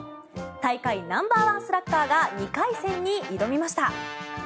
大会ナンバーワンスラッガーが２回戦に挑みました。